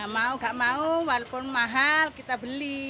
mau gak mau walaupun mahal kita beli